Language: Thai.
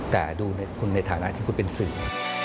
แต่ดูคุณในฐานะที่คุณเป็นสื่อ